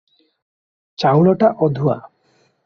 ଚାଉଳଟା ଅଧୂଆ ।